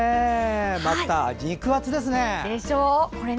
また肉厚ですね。